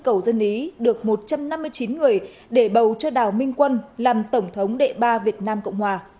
cầu dân ý được một trăm năm mươi chín người để bầu cho đào minh quân làm tổng thống đệ ba việt nam cộng hòa